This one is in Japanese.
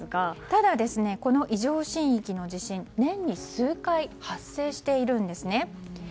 ただ、この異常震域の地震年に数回発生しているんですね。